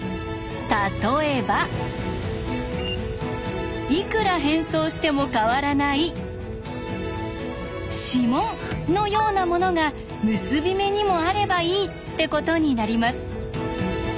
例えばいくら変装しても変わらない「指紋」のようなものが結び目にもあればいいってことになります。